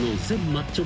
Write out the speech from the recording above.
マッチョ